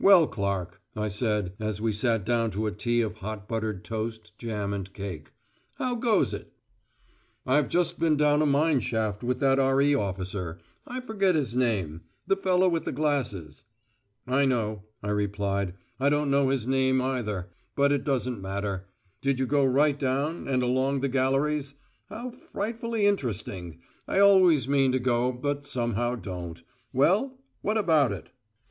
"Well, Clark," I said, as we sat down to a tea of hot buttered toast, jam and cake. "How goes it?" "I've just been down a mine shaft with that R.E. officer, I forget his name the fellow with the glasses." "I know," I replied; "I don't know his name either, but it doesn't matter. Did you go right down, and along the galleries? How frightfully interesting. I always mean to go, but somehow don't. Well, what about it?"